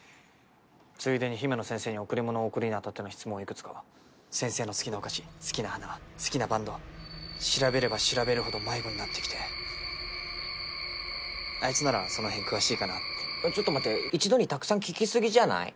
ついでに姫乃先生に贈り物を贈るにあたっての質問をいくつか先生の好きなお菓子好きな花好きなバンド調べれば調べるほど迷子になってきてあいつならそのへん詳しいかなってちょっと待って一度にたくさん聞きすぎじゃない？